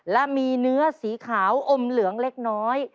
และมีเนื้อสีขาวอมเหลืองเล็กน้อย